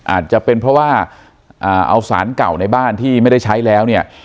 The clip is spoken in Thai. อาจจะเป็นเพราะว่าเอาสารเก่าในบ้านที่ไม่ได้ใช้แล้วเนี่ย